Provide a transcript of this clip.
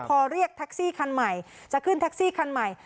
พอเรียกแท็กซี่คันใหม่จะขึ้นแท็กซี่คันใหม่